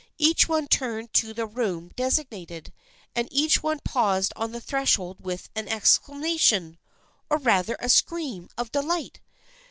Each one turned to the room designated, and each one paused on the threshold with an exclamation, or rather a scream, of delight.